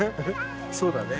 そうだね